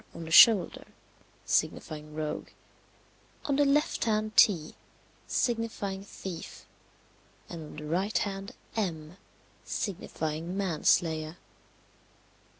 on the shoulder, signifying rogue; on the left hand T, signifying thief; and on the right hand M, signifying man slayer.